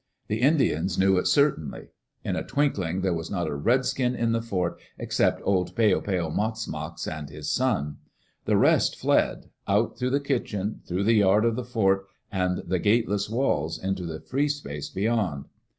The Indians knew it certainly. In a twinkling there was not a redskin in the fort except old Peo peo mox mox and his son. The rest fled — out through the kitchen, through the yard of the fort and the gateless walls into the free space beyond.